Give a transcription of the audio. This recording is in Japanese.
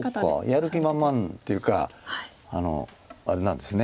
やる気満々というかあれなんですね